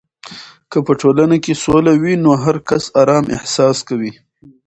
که په ټولنه کې سوله وي، نو هر کس آرام احساس کوي.